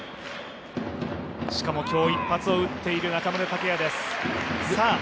しかも、今日一発を打っている中村剛也です。